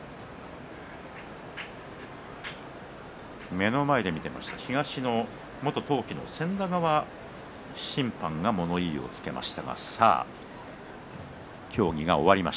目の前で見ていました東の元闘牙の千田川審判が物言いをつけました。